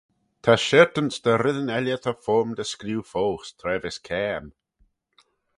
Ta shiartanse dy reddyn elley ta foym dy screeu foast, tra vees caa aym.